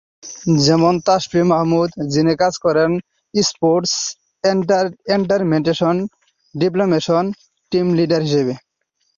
যেমন তাশফি মাহমুদ, যিনি কাজ করছেন স্পোর্টস এন্টারটেইনমেন্ট ডিপার্টমেন্টের টিম লিডার হিসেবে।